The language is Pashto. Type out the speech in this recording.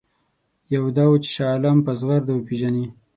یوه دا وه چې شاه عالم په زغرده وپېژني.